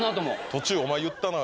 途中「お前言ったな？」